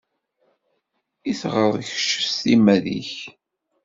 I teɣred kecc s timmad-nnek?